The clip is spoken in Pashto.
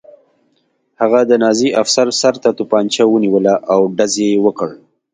هغه د نازي افسر سر ته توپانچه ونیوله او ډز یې وکړ